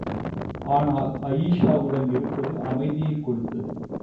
ஆனால், அயீஷாவுடன் இருப்பது அமைதியைக் கொடுத்தது.